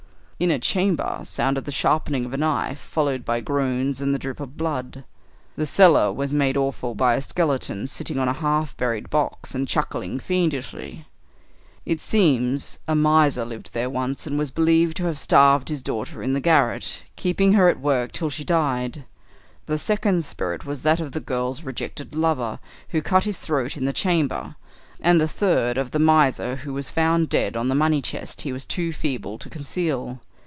In a chamber sounded the sharpening of a knife, followed by groans and the drip of blood. The cellar was made awful by a skeleton sitting on a half buried box and chuckling fiendishly. It seems a miser lived there once, and was believed to have starved his daughter in the garret, keeping her at work till she died. The second spirit was that of the girl's rejected lover, who cut his throat in the chamber, and the third of the miser who was found dead on the money chest he was too feeble to conceal.